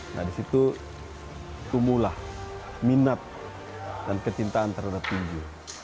nah disitu tumbuhlah minat dan kecintaan terhadap tinju